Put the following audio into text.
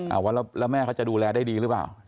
เอาว่าแล้วแม่เขาจะดูแลได้ดีหรือเปล่า